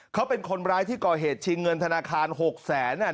เขาเป็นคนร้ายที่ก่อเหตุชิงเงินธนาคาร๖แสนเนี่ย